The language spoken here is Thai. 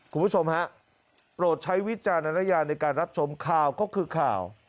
คุณผู้ชมฮะโปรดใช้วิจารณญาณในการรับชมข่าวก็คือข่าว